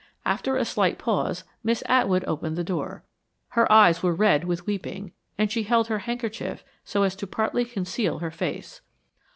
After a slight pause, Miss Atwood opened the door. Her eyes were red with weeping, and she held her handkerchief so as to partly conceal her face.